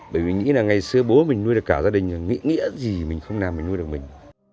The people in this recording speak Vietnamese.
bởi vì nghĩ là ngày xưa bố mình nuôi được cả gia đình nghĩ nghĩa gì mình không làm mình nuôi được mình